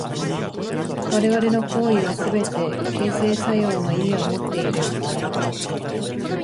我々の行為はすべて形成作用の意味をもっている。